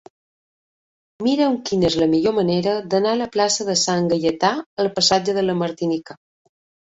Mira'm quina és la millor manera d'anar de la plaça de Sant Gaietà al passatge de la Martinica.